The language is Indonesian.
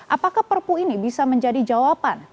apakah perpu ini bisa menjadi jawaban